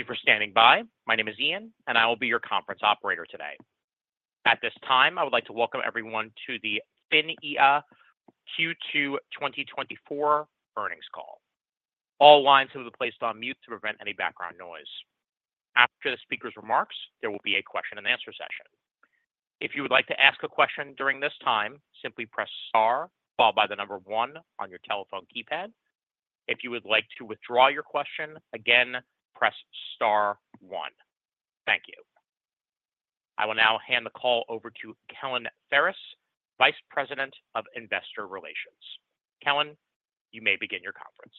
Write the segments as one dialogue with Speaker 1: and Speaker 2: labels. Speaker 1: Thank you for standing by. My name is Ian, and I will be your conference operator today. At this time, I would like to welcome everyone to the PHINIA Q2 2024 earnings call. All lines will be placed on mute to prevent any background noise. After the speaker's remarks, there will be a question-and-answer session. If you would like to ask a question during this time, simply press star, followed by the number one on your telephone keypad. If you would like to withdraw your question again, press star one. Thank you. I will now hand the call over to Kellen Ferris, Vice President of Investor Relations. Kellen, you may begin your conference.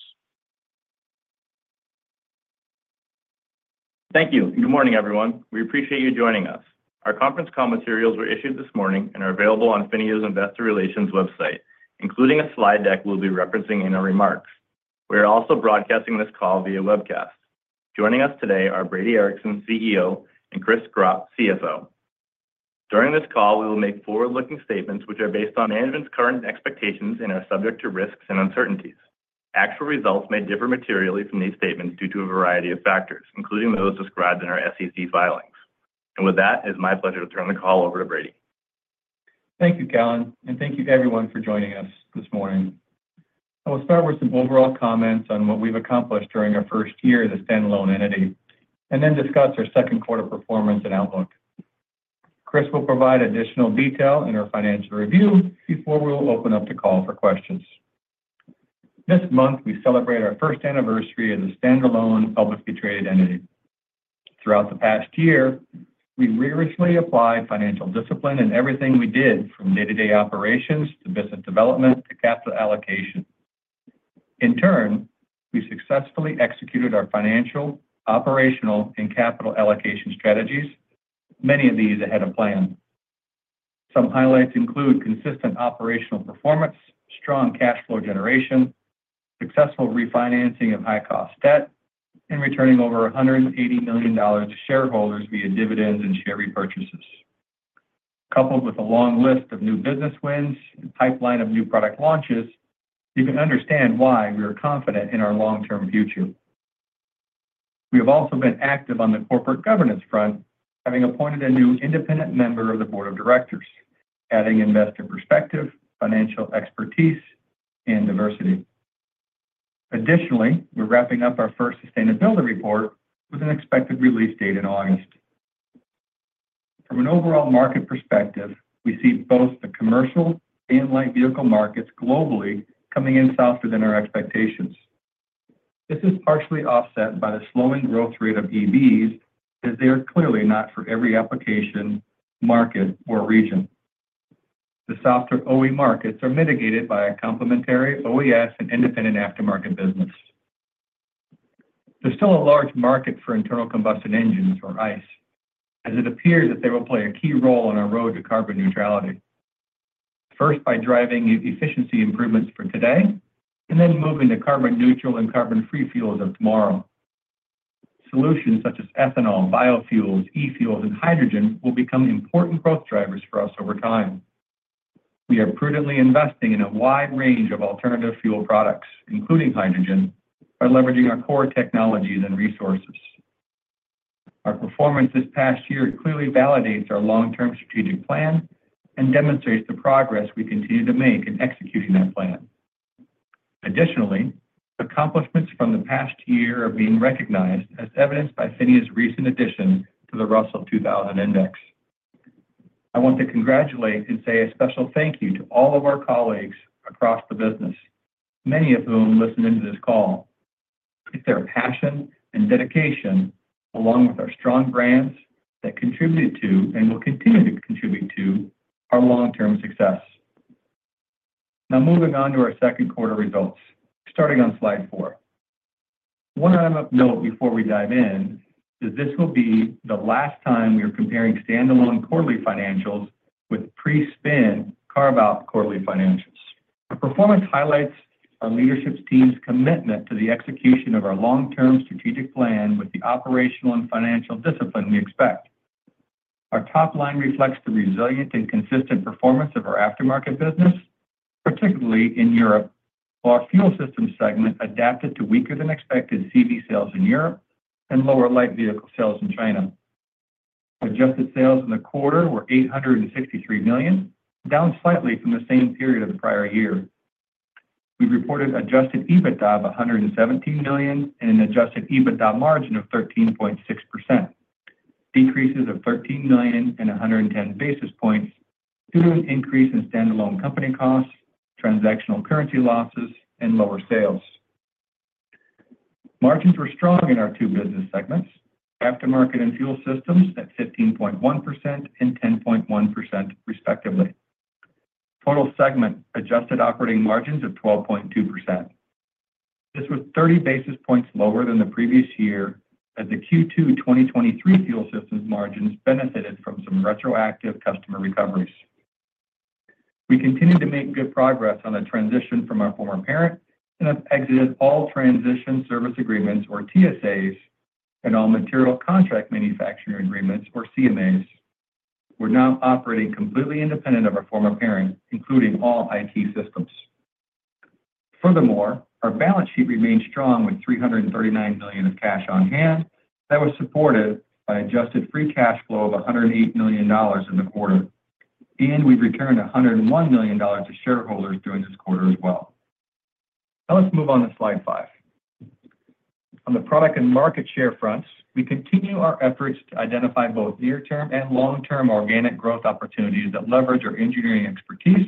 Speaker 2: Thank you. Good morning, everyone. We appreciate you joining us. Our conference call materials were issued this morning and are available on PHINIA's Investor Relations website, including a slide deck we'll be referencing in our remarks. We are also broadcasting this call via webcast. Joining us today are Brady Ericson, CEO, and Chris Gropp, CFO. During this call, we will make forward-looking statements which are based on management's current expectations and are subject to risks and uncertainties. Actual results may differ materially from these statements due to a variety of factors, including those described in our SEC filings. With that, it is my pleasure to turn the call over to Brady.
Speaker 3: Thank you, Kellen, and thank you, everyone, for joining us this morning. I will start with some overall comments on what we've accomplished during our first year as a standalone entity and then discuss our second quarter performance and outlook. Chris will provide additional detail in our financial review before we will open up the call for questions. This month, we celebrate our first anniversary as a standalone publicly traded entity. Throughout the past year, we rigorously applied financial discipline in everything we did, from day-to-day operations to business development to capital allocation. In turn, we successfully executed our financial, operational, and capital allocation strategies, many of these ahead of plan. Some highlights include consistent operational performance, strong cash flow generation, successful refinancing of high-cost debt, and returning over $180 million to shareholders via dividends and share repurchases. Coupled with a long list of new business wins and a pipeline of new product launches, you can understand why we are confident in our long-term future. We have also been active on the corporate governance front, having appointed a new independent member of the board of directors, adding investor perspective, financial expertise, and diversity. Additionally, we're wrapping up our first sustainability report with an expected release date in August. From an overall market perspective, we see both the commercial and light vehicle markets globally coming in softer than our expectations. This is partially offset by the slowing growth rate of EVs, as they are clearly not for every application, market, or region. The softer OE markets are mitigated by a complementary OES and independent aftermarket business. There's still a large market for internal combustion engines, or ICE, as it appears that they will play a key role on our road to carbon neutrality. First, by driving efficiency improvements for today and then moving to carbon-neutral and carbon-free fuels of tomorrow. Solutions such as ethanol, biofuels, e-fuels, and hydrogen will become important growth drivers for us over time. We are prudently investing in a wide range of alternative fuel products, including hydrogen, by leveraging our core technologies and resources. Our performance this past year clearly validates our long-term strategic plan and demonstrates the progress we continue to make in executing that plan. Additionally, accomplishments from the past year are being recognized as evidenced by PHINIA's recent addition to the Russell 2000 Index. I want to congratulate and say a special thank you to all of our colleagues across the business, many of whom listened into this call. It's their passion and dedication, along with our strong brands, that contributed to and will continue to contribute to our long-term success. Now, moving on to our second quarter results, starting on slide four. One item of note before we dive in is this will be the last time we are comparing standalone quarterly financials with pre-spin carve-out quarterly financials. Our performance highlights our leadership team's commitment to the execution of our long-term strategic plan with the operational and financial discipline we expect. Our top line reflects the resilient and consistent performance of our aftermarket business, particularly in Europe, while our fuel systems segment adapted to weaker-than-expected CV sales in Europe and lower light vehicle sales in China. Adjusted sales in the quarter were $863 million, down slightly from the same period of the prior year. We reported adjusted EBITDA of $117 million and an adjusted EBITDA margin of 13.6%, decreases of $13 million and 110 basis points due to an increase in standalone company costs, transactional currency losses, and lower sales. Margins were strong in our two business segments, aftermarket and fuel systems, at 15.1% and 10.1%, respectively. Total segment adjusted operating margins of 12.2%. This was 30 basis points lower than the previous year as the Q2 2023 fuel systems margins benefited from some retroactive customer recoveries. We continued to make good progress on the transition from our former parent and have exited all transition service agreements, or TSAs, and all material contract manufacturing agreements, or CMAs. We're now operating completely independent of our former parent, including all IT systems. Furthermore, our balance sheet remained strong with $339 million of cash on hand that was supported by adjusted free cash flow of $108 million in the quarter, and we returned $101 million to shareholders during this quarter as well. Now, let's move on to slide five. On the product and market share fronts, we continue our efforts to identify both near-term and long-term organic growth opportunities that leverage our engineering expertise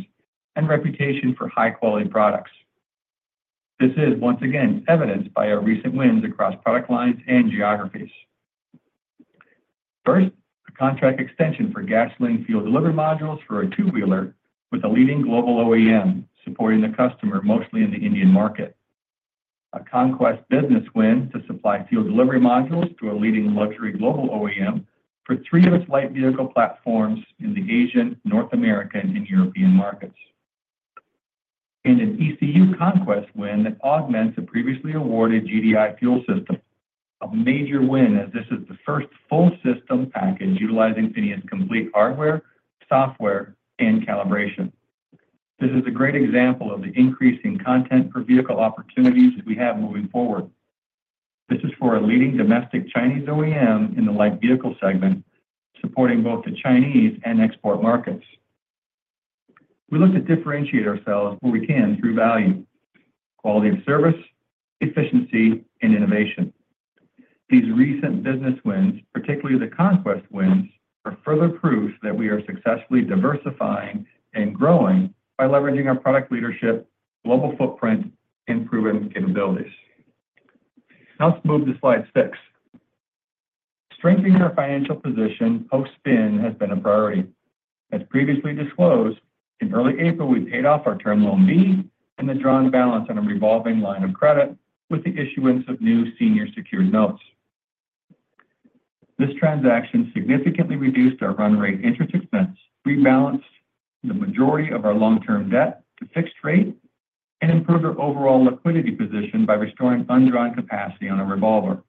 Speaker 3: and reputation for high-quality products. This is, once again, evidenced by our recent wins across product lines and geographies. First, a contract extension for gasoline fuel delivery modules for a two-wheeler with a leading global OEM supporting the customer mostly in the Indian market. A conquest business win to supply fuel delivery modules to a leading luxury global OEM for three of its light vehicle platforms in the Asian, North American, and European markets. An ECU conquest win that augments a previously awarded GDI fuel system, a major win as this is the first full system package utilizing PHINIA's complete hardware, software, and calibration. This is a great example of the increasing content per vehicle opportunities we have moving forward. This is for a leading domestic Chinese OEM in the light vehicle segment supporting both the Chinese and export markets. We look to differentiate ourselves where we can through value, quality of service, efficiency, and innovation. These recent business wins, particularly the conquest wins, are further proof that we are successfully diversifying and growing by leveraging our product leadership, global footprint, and proven capabilities. Now, let's move to slide six. Strengthening our financial position post-spin has been a priority. As previously disclosed, in early April, we paid off our Term loan B and the drawn balance on a revolving line of credit with the issuance of new senior secured notes. This transaction significantly reduced our run rate interest expense, rebalanced the majority of our long-term debt to fixed rate, and improved our overall liquidity position by restoring undrawn capacity on a revolver.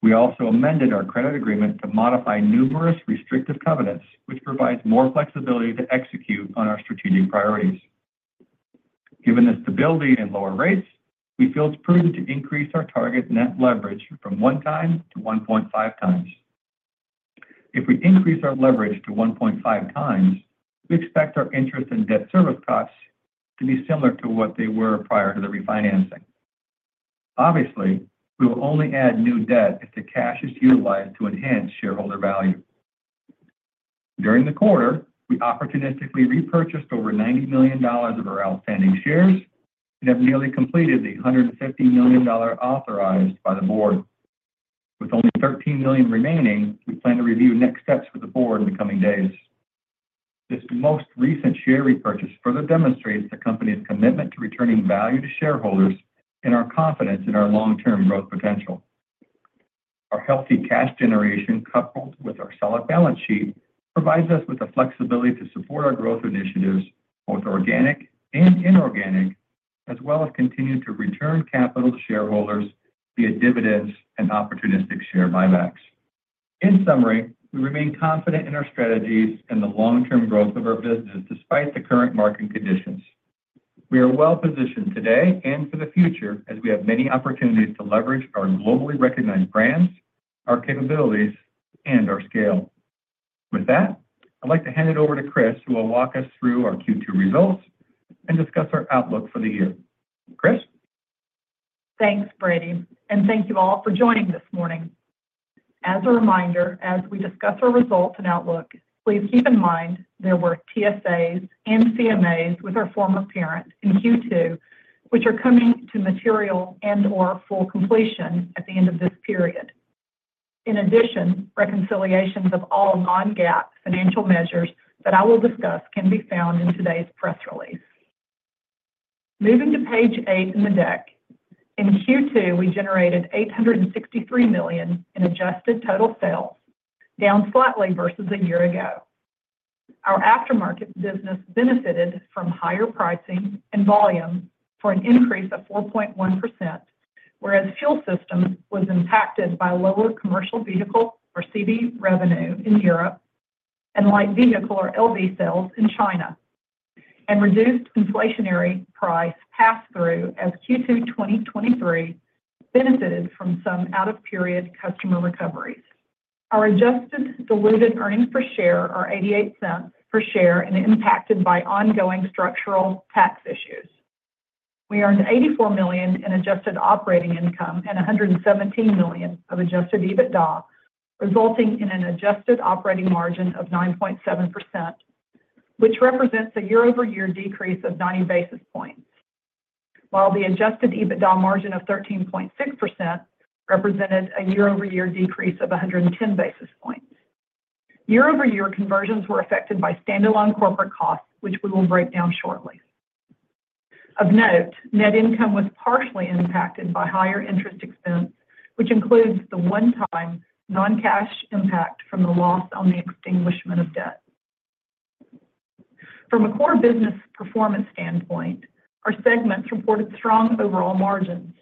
Speaker 3: We also amended our credit agreement to modify numerous restrictive covenants, which provides more flexibility to execute on our strategic priorities. Given the stability and lower rates, we feel it's prudent to increase our target net leverage from 1x to 1.5x. If we increase our leverage to 1.5x, we expect our interest and debt service costs to be similar to what they were prior to the refinancing. Obviously, we will only add new debt if the cash is utilized to enhance shareholder value. During the quarter, we opportunistically repurchased over $90 million of our outstanding shares and have nearly completed the $150 million authorized by the board. With only $13 million remaining, we plan to review next steps with the board in the coming days. This most recent share repurchase further demonstrates the company's commitment to returning value to shareholders and our confidence in our long-term growth potential. Our healthy cash generation, coupled with our solid balance sheet, provides us with the flexibility to support our growth initiatives, both organic and inorganic, as well as continue to return capital to shareholders via dividends and opportunistic share buybacks. In summary, we remain confident in our strategies and the long-term growth of our business despite the current market conditions. We are well-positioned today and for the future as we have many opportunities to leverage our globally recognized brands, our capabilities, and our scale. With that, I'd like to hand it over to Chris, who will walk us through our Q2 results and discuss our outlook for the year. Chris?
Speaker 4: Thanks, Brady. And thank you all for joining this morning. As a reminder, as we discuss our results and outlook, please keep in mind there were TSAs and CMAs with our former parent in Q2, which are coming to material and/or full completion at the end of this period. In addition, reconciliations of all non-GAAP financial measures that I will discuss can be found in today's press release. Moving to page eight in the deck, in Q2, we generated $863 million in adjusted total sales, down slightly versus a year ago. Our aftermarket business benefited from higher pricing and volume for an increase of 4.1%, whereas fuel systems were impacted by lower commercial vehicle, or CV, revenue in Europe and light vehicle, or LV, sales in China, and reduced inflationary price pass-through as Q2 2023 benefited from some out-of-period customer recoveries. Our adjusted diluted earnings per share, or $0.88 per share, were impacted by ongoing structural tax issues. We earned $84 million in adjusted operating income and $117 million of adjusted EBITDA, resulting in an adjusted operating margin of 9.7%, which represents a year-over-year decrease of 90 basis points, while the adjusted EBITDA margin of 13.6% represented a year-over-year decrease of 110 basis points. Year-over-year conversions were affected by standalone corporate costs, which we will break down shortly. Of note, net income was partially impacted by higher interest expense, which includes the one-time non-cash impact from the loss on the extinguishment of debt. From a core business performance standpoint, our segments reported strong overall margins.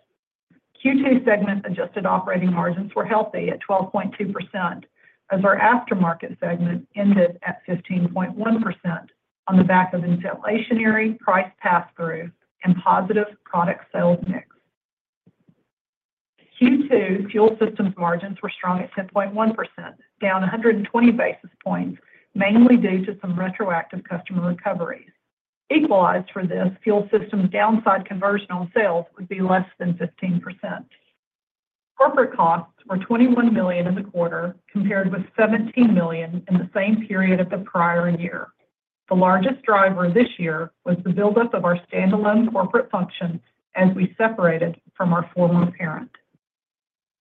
Speaker 4: Q2 segment adjusted operating margins were healthy at 12.2%, as our aftermarket segment ended at 15.1% on the back of inflationary price pass-through and positive product sales mix. Q2 fuel systems margins were strong at 10.1%, down 120 basis points, mainly due to some retroactive customer recoveries. Equalized for this, fuel systems downside conversion on sales would be less than 15%. Corporate costs were $21 million in the quarter, compared with $17 million in the same period of the prior year. The largest driver this year was the buildup of our standalone corporate function as we separated from our former parent.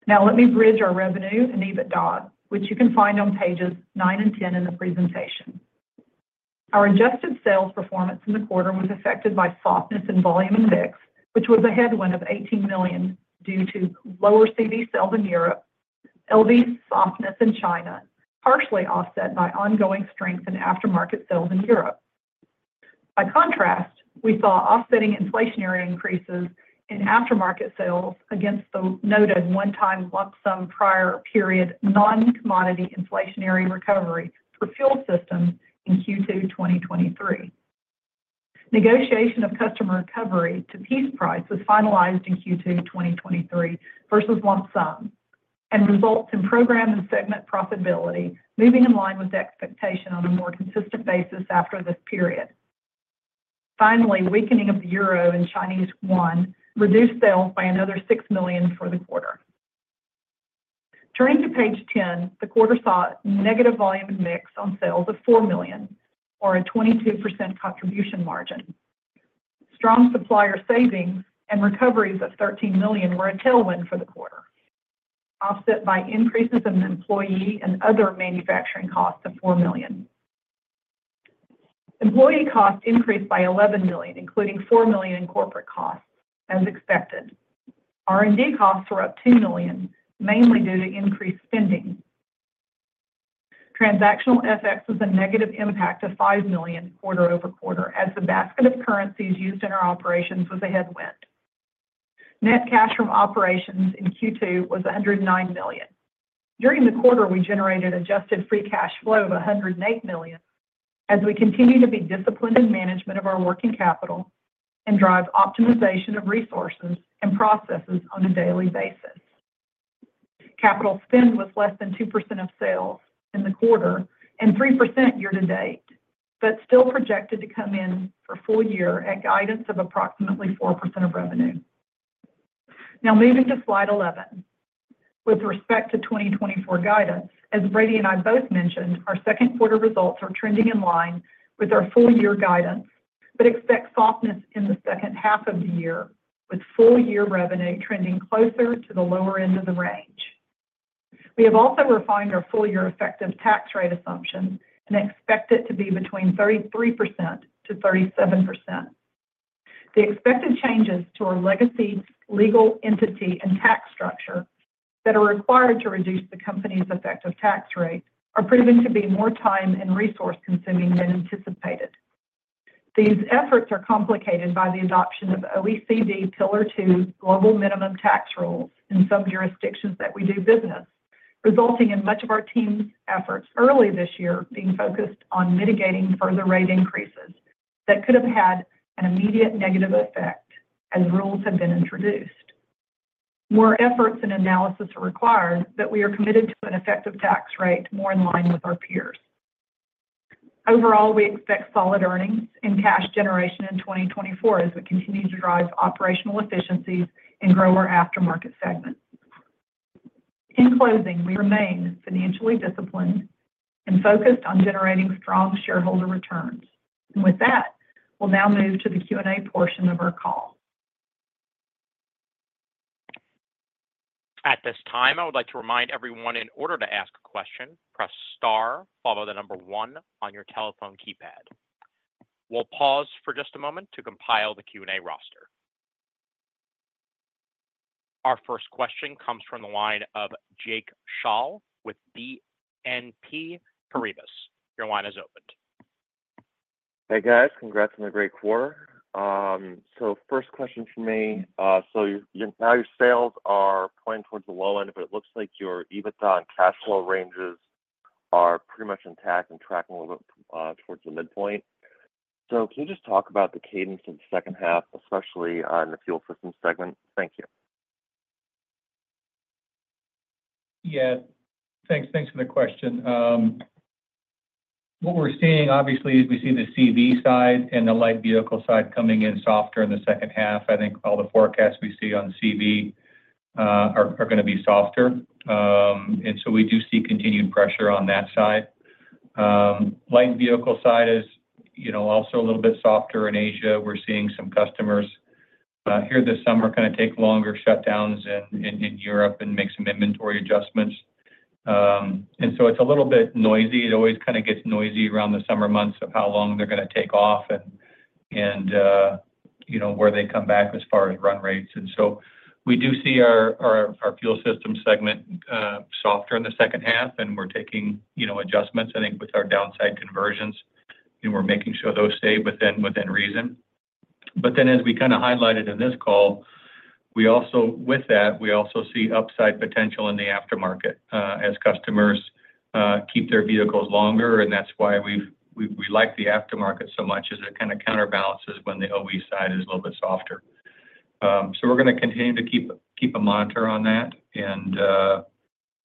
Speaker 4: Now, let me bridge our revenue and EBITDA, which you can find on pages nine and 10 in the presentation. Our adjusted sales performance in the quarter was affected by softness in volume and mix, which was a headwind of $18 million due to lower CV sales in Europe, LV softness in China, partially offset by ongoing strength in aftermarket sales in Europe. By contrast, we saw offsetting inflationary increases in aftermarket sales against the noted one-time lump sum prior period non-commodity inflationary recovery for fuel systems in Q2 2023. Negotiation of customer recovery to piece price was finalized in Q2 2023 versus lump sum, and results in program and segment profitability moving in line with expectation on a more consistent basis after this period. Finally, weakening of the euro and Chinese yuan reduced sales by another $6 million for the quarter. Turning to page 10, the quarter saw negative volume and mix on sales of $4 million, or a 22% contribution margin. Strong supplier savings and recoveries of $13 million were a tailwind for the quarter, offset by increases in employee and other manufacturing costs of $4 million. Employee costs increased by $11 million, including $4 million in corporate costs, as expected. R&D costs were up $2 million, mainly due to increased spending. Transactional FX was a negative impact of $5 million quarter-over-quarter as the basket of currencies used in our operations was a headwind. Net cash from operations in Q2 was $109 million. During the quarter, we generated adjusted free cash flow of $108 million as we continue to be disciplined in management of our working capital and drive optimization of resources and processes on a daily basis. Capital spend was less than 2% of sales in the quarter and 3% year-to-date, but still projected to come in for full year at guidance of approximately 4% of revenue. Now, moving to slide 11. With respect to 2024 guidance, as Brady and I both mentioned, our second quarter results are trending in line with our full-year guidance, but expect softness in the second half of the year, with full-year revenue trending closer to the lower end of the range. We have also refined our full-year effective tax rate assumption and expect it to be between 33%-37%. The expected changes to our legacy legal entity and tax structure that are required to reduce the company's effective tax rate are proving to be more time and resource-consuming than anticipated. These efforts are complicated by the adoption of OECD Pillar 2 global minimum tax rules in some jurisdictions that we do business, resulting in much of our team's efforts early this year being focused on mitigating further rate increases that could have had an immediate negative effect as rules have been introduced. More efforts and analysis are required, but we are committed to an effective tax rate more in line with our peers. Overall, we expect solid earnings and cash generation in 2024 as we continue to drive operational efficiencies and grow our aftermarket segment. In closing, we remain financially disciplined and focused on generating strong shareholder returns. And with that, we'll now move to the Q&A portion of our call.
Speaker 1: At this time, I would like to remind everyone, in order to ask a question, press star, follow the number one on your telephone keypad. We'll pause for just a moment to compile the Q&A roster. Our first question comes from the line of Jake Scholl with BNP Paribas. Your line is opened.
Speaker 5: Hey, guys. Congrats on a great quarter. So first question for me, so now your sales are pointing towards the low end, but it looks like your EBITDA and cash flow ranges are pretty much intact and tracking a little bit towards the midpoint. So can you just talk about the cadence of the second half, especially in the fuel system segment? Thank you.
Speaker 3: Yeah. Thanks for the question. What we're seeing, obviously, is we see the CV side and the light vehicle side coming in softer in the second half. I think all the forecasts we see on CV are going to be softer. And so we do see continued pressure on that side. Light vehicle side is also a little bit softer in Asia. We're seeing some customers here this summer kind of take longer shutdowns in Europe and make some inventory adjustments. And so it's a little bit noisy. It always kind of gets noisy around the summer months of how long they're going to take off and where they come back as far as run rates. And so we do see our fuel system segment softer in the second half, and we're taking adjustments, I think, with our downside conversions, and we're making sure those stay within reason. But then, as we kind of highlighted in this call, with that, we also see upside potential in the aftermarket as customers keep their vehicles longer. And that's why we like the aftermarket so much as it kind of counterbalances when the OE side is a little bit softer. So we're going to continue to keep a monitor on that. And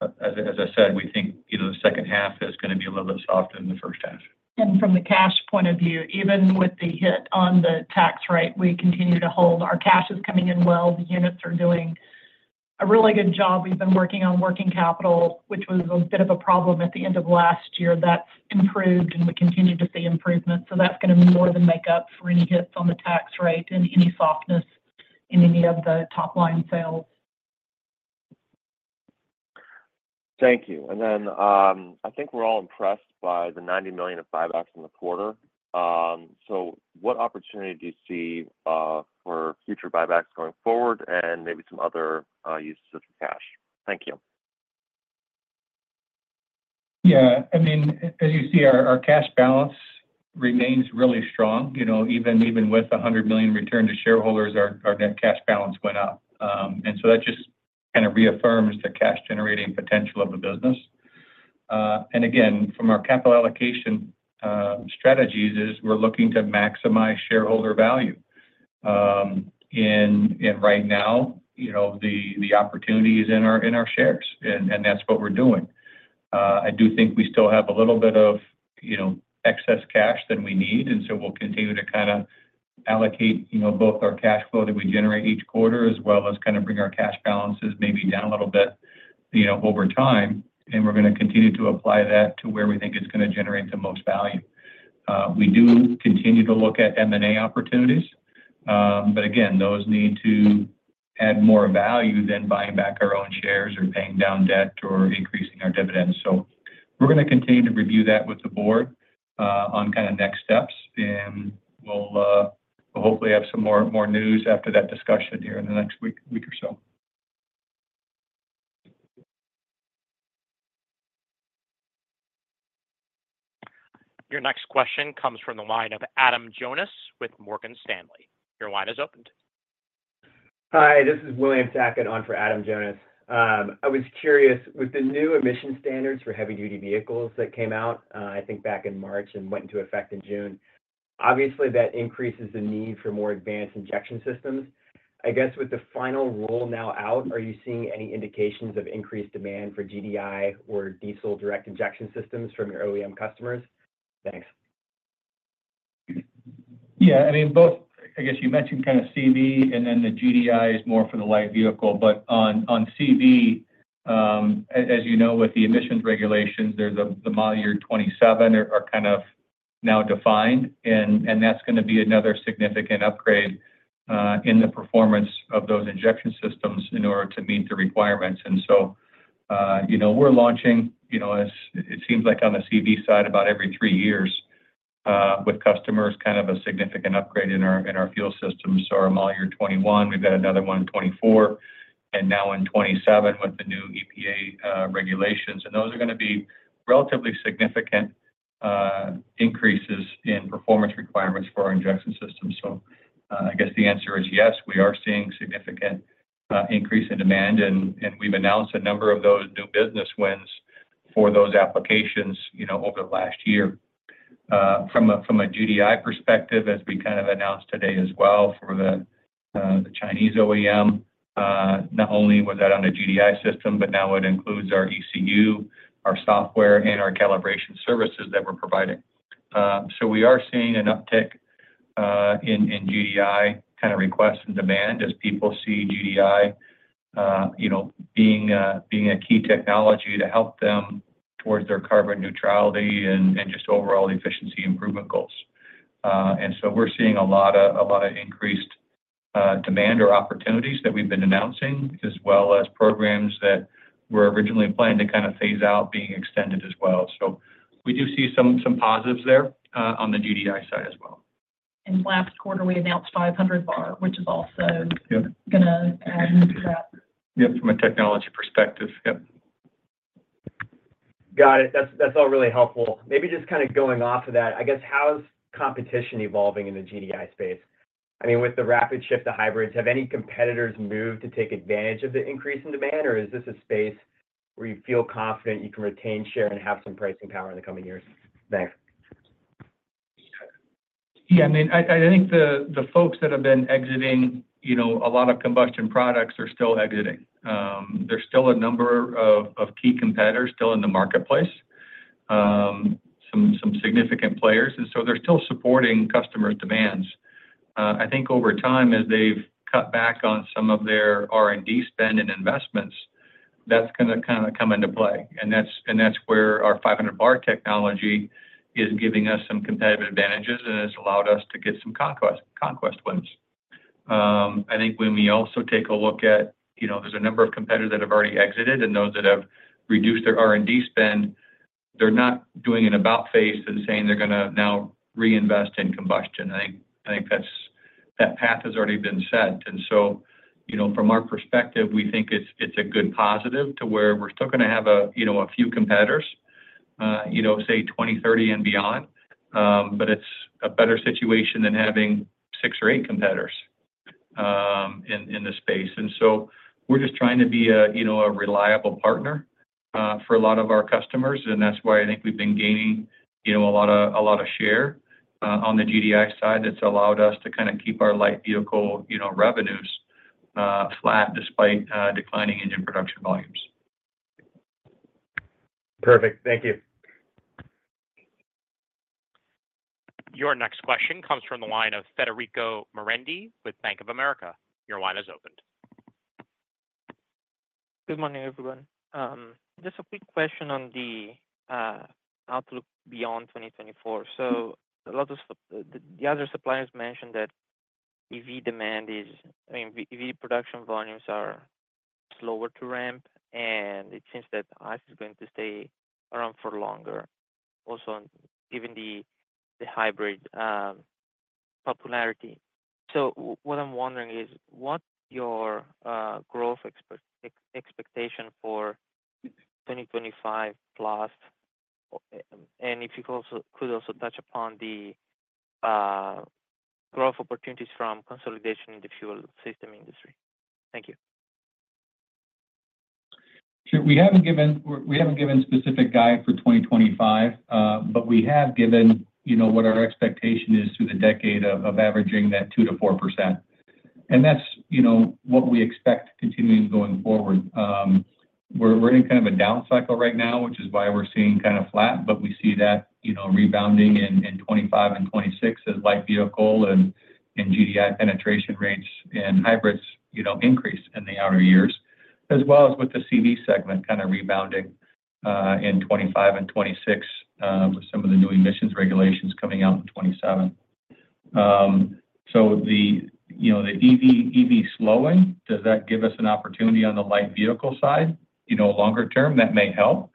Speaker 3: as I said, we think the second half is going to be a little bit softer than the first half.
Speaker 4: And from the cash point of view, even with the hit on the tax rate, we continue to hold. Our cash is coming in well. The units are doing a really good job. We've been working on working capital, which was a bit of a problem at the end of last year. That's improved, and we continue to see improvements. So that's going to more than make up for any hits on the tax rate and any softness in any of the top-line sales.
Speaker 5: Thank you. And then I think we're all impressed by the $90 million of buybacks in the quarter. So what opportunity do you see for future buybacks going forward and maybe some other uses of cash? Thank you.
Speaker 3: Yeah. I mean, as you see, our cash balance remains really strong. Even with $100 million returned to shareholders, our net cash balance went up. And so that just kind of reaffirms the cash-generating potential of the business. And again, from our capital allocation strategies, we're looking to maximize shareholder value. And right now, the opportunity is in our shares, and that's what we're doing. I do think we still have a little bit of excess cash than we need, and so we'll continue to kind of allocate both our cash flow that we generate each quarter as well as kind of bring our cash balances maybe down a little bit over time. And we're going to continue to apply that to where we think it's going to generate the most value. We do continue to look at M&A opportunities, but again, those need to add more value than buying back our own shares or paying down debt or increasing our dividends. So we're going to continue to review that with the board on kind of next steps. And we'll hopefully have some more news after that discussion here in the next week or so.
Speaker 1: Your next question comes from the line of Adam Jonas with Morgan Stanley. Your line is opened.
Speaker 6: Hi. This is Willem Sacchet on for Adam Jonas. I was curious, with the new emission standards for heavy-duty vehicles that came out, I think back in March and went into effect in June, obviously, that increases the need for more advanced injection systems. I guess with the final rule now out, are you seeing any indications of increased demand for GDI or diesel direct injection systems from your OEM customers? Thanks.
Speaker 3: Yeah. I mean, both, I guess you mentioned kind of CV, and then the GDI is more for the light vehicle. But on CV, as you know, with the emissions regulations, the model year 2027 are kind of now defined. And that's going to be another significant upgrade in the performance of those injection systems in order to meet the requirements. And so we're launching, it seems like on the CV side, about every three years with customers kind of a significant upgrade in our fuel systems. So our model year 2021, we've got another one in 2024, and now in 2027 with the new EPA regulations. And those are going to be relatively significant increases in performance requirements for our injection systems. So I guess the answer is yes. We are seeing significant increase in demand, and we've announced a number of those new business wins for those applications over the last year. From a GDI perspective, as we kind of announced today as well for the Chinese OEM, not only was that on a GDI system, but now it includes our ECU, our software, and our calibration services that we're providing. So we are seeing an uptick in GDI kind of requests and demand as people see GDI being a key technology to help them towards their carbon neutrality and just overall efficiency improvement goals. And so we're seeing a lot of increased demand or opportunities that we've been announcing, as well as programs that were originally planned to kind of phase out being extended as well. So we do see some positives there on the GDI side as well.
Speaker 4: Last quarter, we announced 500 bar, which is also going to add to that.
Speaker 3: Yep. From a technology perspective. Yep.
Speaker 6: Got it. That's all really helpful. Maybe just kind of going off of that, I guess, how is competition evolving in the GDI space? I mean, with the rapid shift to hybrids, have any competitors moved to take advantage of the increase in demand, or is this a space where you feel confident you can retain share and have some pricing power in the coming years? Thanks.
Speaker 3: Yeah. I mean, I think the folks that have been exiting a lot of combustion products are still exiting. There's still a number of key competitors still in the marketplace, some significant players. And so they're still supporting customers' demands. I think over time, as they've cut back on some of their R&D spend and investments, that's going to kind of come into play. And that's where our 500 bar technology is giving us some competitive advantages, and it's allowed us to get some conquest wins. I think when we also take a look at there's a number of competitors that have already exited, and those that have reduced their R&D spend, they're not doing an about-face and saying they're going to now reinvest in combustion. I think that path has already been set. And so from our perspective, we think it's a good positive to where we're still going to have a few competitors, say, 20, 30, and beyond, but it's a better situation than having six or eight competitors in the space. And so we're just trying to be a reliable partner for a lot of our customers. And that's why I think we've been gaining a lot of share on the GDI side that's allowed us to kind of keep our light vehicle revenues flat despite declining engine production volumes.
Speaker 6: Perfect. Thank you.
Speaker 1: Your next question comes from the line of Federico Maranti with Bank of America. Your line is opened.
Speaker 7: Good morning, everyone. Just a quick question on the outlook beyond 2024. So the other suppliers mentioned that EV demand is, I mean, EV production volumes are slower to ramp, and it seems that ICE is going to stay around for longer, also given the hybrid popularity. So what I'm wondering is, what's your growth expectation for 2025 plus, and if you could also touch upon the growth opportunities from consolidation in the fuel system industry? Thank you.
Speaker 3: We haven't given a specific guide for 2025, but we have given what our expectation is through the decade of averaging that 2%-4%. And that's what we expect continuing going forward. We're in kind of a down cycle right now, which is why we're seeing kind of flat, but we see that rebounding in 2025 and 2026 as light vehicle and GDI penetration rates and hybrids increase in the outer years, as well as with the CV segment kind of rebounding in 2025 and 2026 with some of the new emissions regulations coming out in 2027. So the EV slowing, does that give us an opportunity on the light vehicle side? In a longer term, that may help.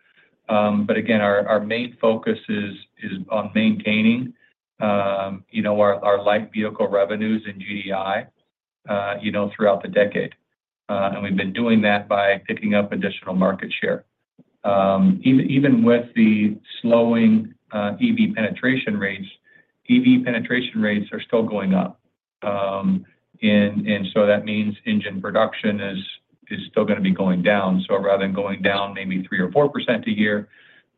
Speaker 3: But again, our main focus is on maintaining our light vehicle revenues and GDI throughout the decade. And we've been doing that by picking up additional market share. Even with the slowing EV penetration rates, EV penetration rates are still going up. And so that means engine production is still going to be going down. So rather than going down maybe 3%-4% a year,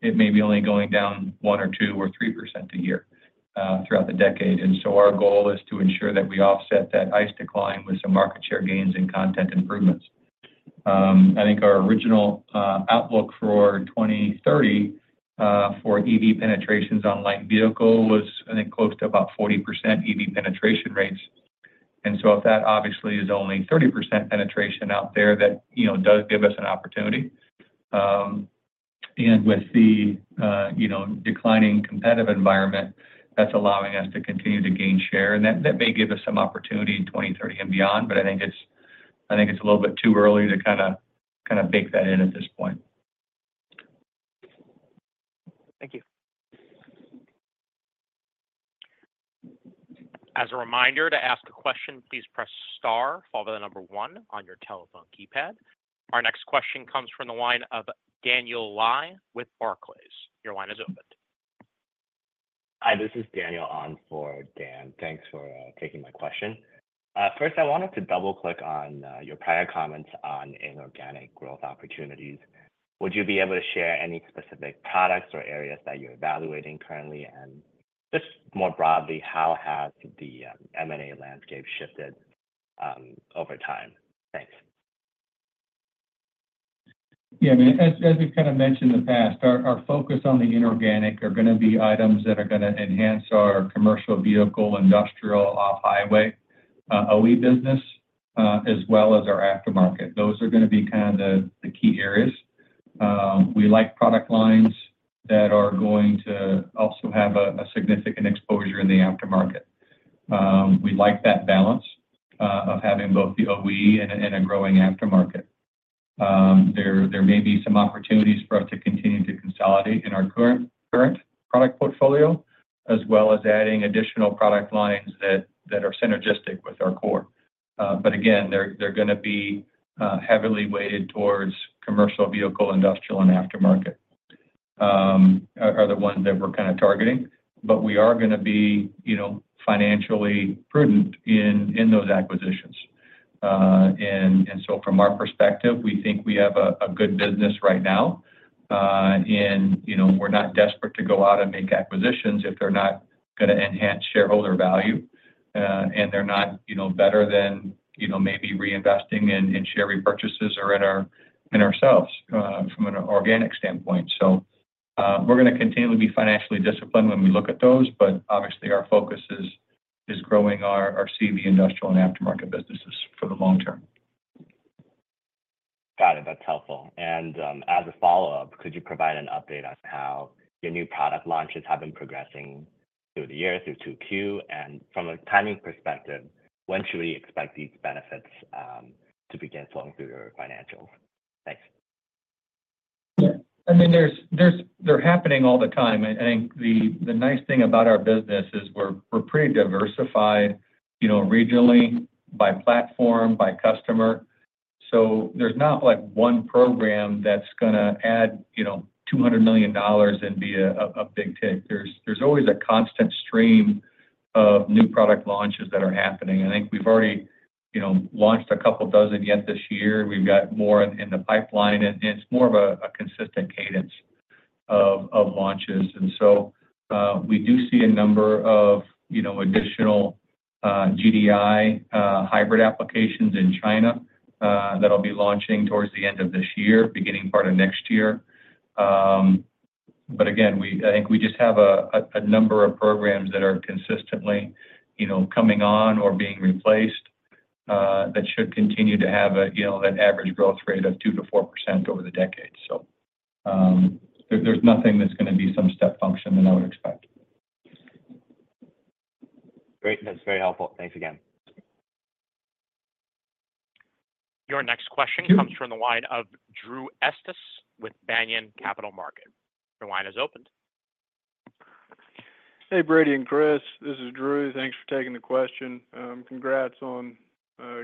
Speaker 3: it may be only going down 1%-3% a year throughout the decade. And so our goal is to ensure that we offset that ICE decline with some market share gains and content improvements. I think our original outlook for 2030 for EV penetrations on light vehicle was, I think, close to about 40% EV penetration rates. And so if that obviously is only 30% penetration out there, that does give us an opportunity. And with the declining competitive environment, that's allowing us to continue to gain share. That may give us some opportunity in 2030 and beyond, but I think it's a little bit too early to kind of bake that in at this point.
Speaker 1: Thank you. As a reminder, to ask a question, please press star, followed by the number one on your telephone keypad. Our next question comes from the line of Daniel Lai with Barclays. Your line is opened.
Speaker 8: Hi. This is Daniel on for Dan. Thanks for taking my question. First, I wanted to double-click on your prior comments on inorganic growth opportunities. Would you be able to share any specific products or areas that you're evaluating currently? Just more broadly, how has the M&A landscape shifted over time? Thanks.
Speaker 3: Yeah. I mean, as we've kind of mentioned in the past, our focus on the inorganic are going to be items that are going to enhance our commercial vehicle, industrial, off-highway OE business, as well as our aftermarket. Those are going to be kind of the key areas. We like product lines that are going to also have a significant exposure in the aftermarket. We like that balance of having both the OE and a growing aftermarket. There may be some opportunities for us to continue to consolidate in our current product portfolio, as well as adding additional product lines that are synergistic with our core. But again, they're going to be heavily weighted towards commercial vehicle, industrial, and aftermarket are the ones that we're kind of targeting. But we are going to be financially prudent in those acquisitions. And so from our perspective, we think we have a good business right now. And we're not desperate to go out and make acquisitions if they're not going to enhance shareholder value, and they're not better than maybe reinvesting in share repurchases or in ourselves from an organic standpoint. So we're going to continually be financially disciplined when we look at those, but obviously, our focus is growing our CV, industrial, and aftermarket businesses for the long term.
Speaker 8: Got it. That's helpful. And as a follow-up, could you provide an update on how your new product launches have been progressing through the year through Q2? And from a timing perspective, when should we expect these benefits to begin flowing through your financials? Thanks.
Speaker 3: Yeah. I mean, they're happening all the time. I think the nice thing about our business is we're pretty diversified regionally, by platform, by customer. So there's not one program that's going to add $200 million and be a big take. There's always a constant stream of new product launches that are happening. I think we've already launched a couple dozen yet this year. We've got more in the pipeline. And it's more of a consistent cadence of launches. And so we do see a number of additional GDI hybrid applications in China that'll be launching towards the end of this year, beginning part of next year. But again, I think we just have a number of programs that are consistently coming on or being replaced that should continue to have that average growth rate of 2%-4% over the decade. So there's nothing that's going to be some step function that I would expect.
Speaker 8: Great. That's very helpful. Thanks again.
Speaker 1: Your next question comes from the line of Drew Estes with Banyan Capital Management. Your line is opened.
Speaker 9: Hey, Brady and Chris. This is Drew. Thanks for taking the question. Congrats on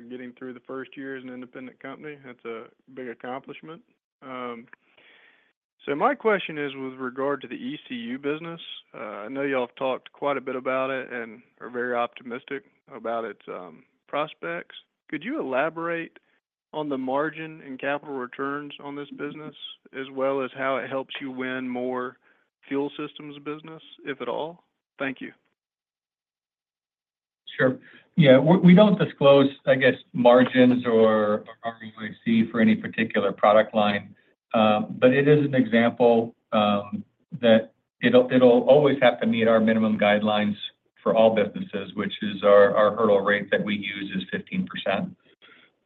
Speaker 9: getting through the first year as an independent company. That's a big accomplishment. So my question is with regard to the ECU business. I know y'all have talked quite a bit about it and are very optimistic about its prospects. Could you elaborate on the margin and capital returns on this business, as well as how it helps you win more fuel systems business, if at all? Thank you.
Speaker 3: Sure. Yeah. We don't disclose, I guess, margins or ROIC for any particular product line, but it is an example that it'll always have to meet our minimum guidelines for all businesses, which is our hurdle rate that we use is 15%.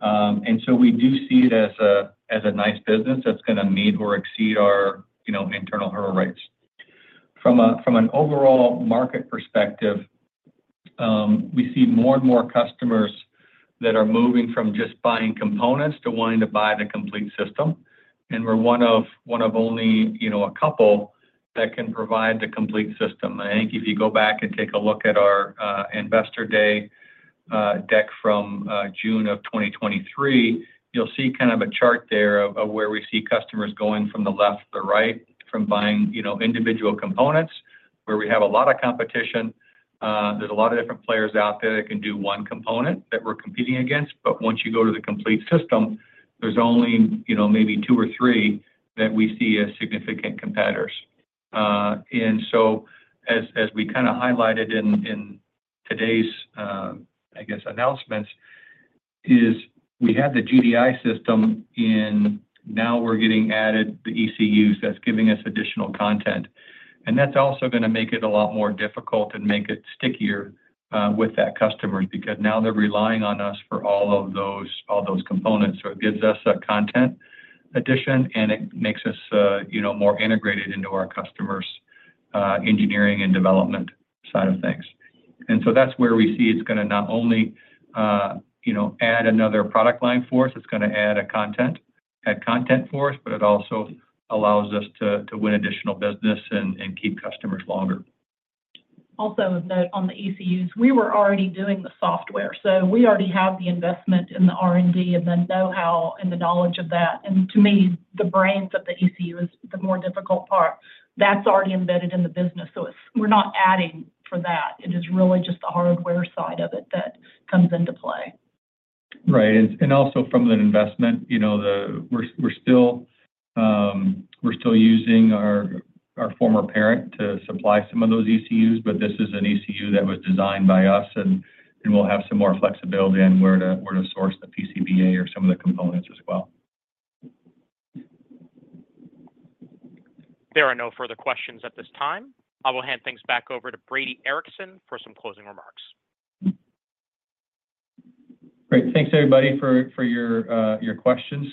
Speaker 3: And so we do see it as a nice business that's going to meet or exceed our internal hurdle rates. From an overall market perspective, we see more and more customers that are moving from just buying components to wanting to buy the complete system. And we're one of only a couple that can provide the complete system. I think if you go back and take a look at our investor day deck from June of 2023, you'll see kind of a chart there of where we see customers going from the left to the right from buying individual components, where we have a lot of competition. There's a lot of different players out there that can do one component that we're competing against. But once you go to the complete system, there's only maybe two or three that we see as significant competitors. And so as we kind of highlighted in today's, I guess, announcements, is we had the GDI system, and now we're getting added the ECUs. That's giving us additional content. And that's also going to make it a lot more difficult and make it stickier with that customer because now they're relying on us for all of those components. So it gives us a content addition, and it makes us more integrated into our customer's engineering and development side of things. And so that's where we see it's going to not only add another product line for us, it's going to add a content for us, but it also allows us to win additional business and keep customers longer.
Speaker 4: Also, on the ECUs, we were already doing the software. So we already have the investment in the R&D and the know-how and the knowledge of that. And to me, the brains of the ECU is the more difficult part. That's already embedded in the business. So we're not adding for that. It is really just the hardware side of it that comes into play.
Speaker 3: Right. And also from the investment, we're still using our former parent to supply some of those ECUs, but this is an ECU that was designed by us, and we'll have some more flexibility on where to source the PCBA or some of the components as well.
Speaker 1: There are no further questions at this time. I will hand things back over to Brady Ericson for some closing remarks.
Speaker 3: Great. Thanks, everybody, for your questions.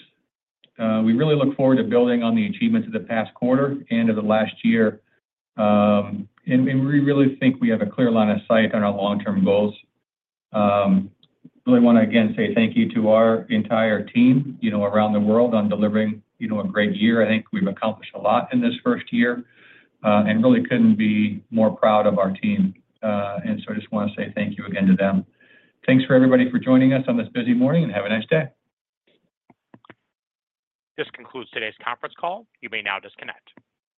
Speaker 3: We really look forward to building on the achievements of the past quarter and of the last year. We really think we have a clear line of sight on our long-term goals. I really want to, again, say thank you to our entire team around the world on delivering a great year. I think we've accomplished a lot in this first year and really couldn't be more proud of our team. I just want to say thank you again to them. Thanks for everybody for joining us on this busy morning, and have a nice day.
Speaker 1: This concludes today's conference call. You may now disconnect.